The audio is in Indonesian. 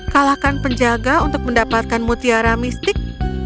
kalahkan penjaga untuk mendapatkan mutiara mistik